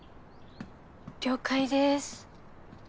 了解です。